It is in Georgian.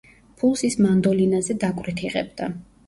ფულს ის მანდოლინაზე დაკვრით იღებდა.